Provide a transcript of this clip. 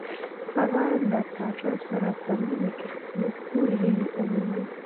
هغه د ناتاشا سره په مینه کې خپلې ټولې هیلې وموندلې.